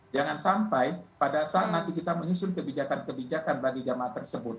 jangan sampai pada saat nanti kita menyusun kebijakan kebijakan bagi jemaah tersebut